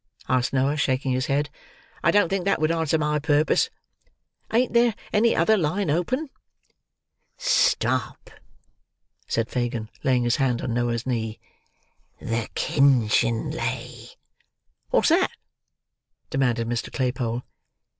asked Noah, shaking his head. "I don't think that would answer my purpose. Ain't there any other line open?" "Stop!" said Fagin, laying his hand on Noah's knee. "The kinchin lay." "What's that?" demanded Mr. Claypole.